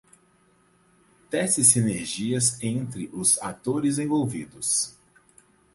Tece sinergias entre os atores envolvidos.